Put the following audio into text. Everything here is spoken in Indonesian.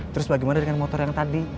terus bagaimana dengan motor yang tadi